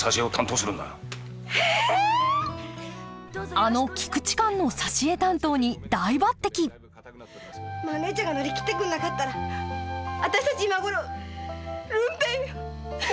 あの菊池寛の挿絵担当に大抜てきマー姉ちゃんが乗り切ってくんなかったら私たち今頃。